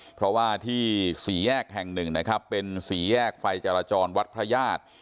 เพราะว่าที่สี่แยกแห่งหนึ่งนะครับเป็นสี่แยกไฟจราจรวัดพระญาติ